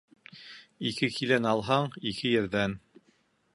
Ике килен алһаң, ике ерҙән